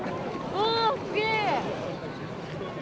おおすげえ。